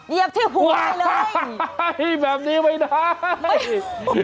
เย็บที่หัวได้เลยแบบนี้ไม่ได้